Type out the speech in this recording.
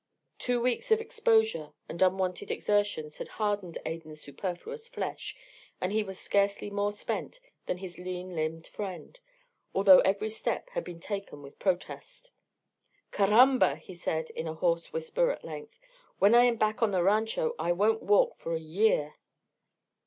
Two weeks of exposure and unwonted exertions had hardened Adan's superfluous flesh, and he was scarcely more spent than his clean limbed friend, although every step had been taken with protest. "Caramba!" he said, in a hoarse whisper at length. "When I am back on the rancho I won't walk for a year."